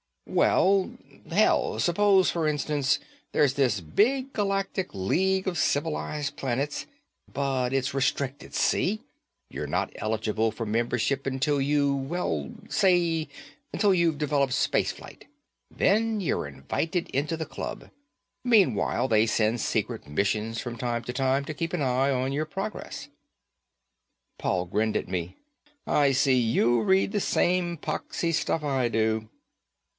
"Well, hell, suppose for instance there's this big Galactic League of civilized planets. But it's restricted, see. You're not eligible for membership until you, well, say until you've developed space flight. Then you're invited into the club. Meanwhile, they send secret missions down from time to time to keep an eye on your progress." Paul grinned at me. "I see you read the same poxy stuff I do."